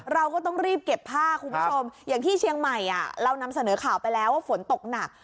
เราก็ต้องรีบเก็บผ้าคุณผู้ชมอย่างที่เชียงใหม่เรานำเสนอข่าวไปแล้วว่าฝนตกหนัก